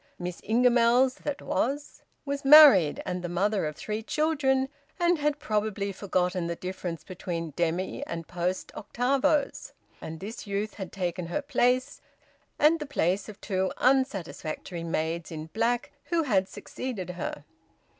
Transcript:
Miss Ingamells (that was) was married and the mother of three children, and had probably forgotten the difference between `demy' and `post' octavos; and this youth had taken her place and the place of two unsatisfactory maids in black who had succeeded her.